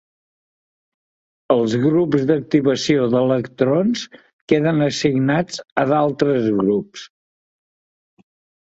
Els grups activació d'electrons queden assignats a d'altres grups.